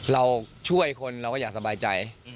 เราช่วยคนเราก็อยากสบายใจ